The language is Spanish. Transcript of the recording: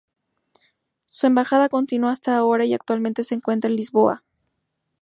Su embajada continúa hasta ahora y actualmente se encuentra en Lisboa.